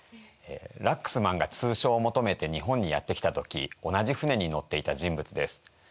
ラックスマンが通商を求めて日本にやって来た時同じ船に乗っていた人物です。